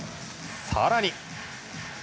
更に。